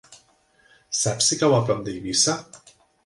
Saps si cau a prop d'Eivissa?